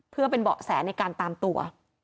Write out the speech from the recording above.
เพื่อเป็นเบาะแสในการตามตัว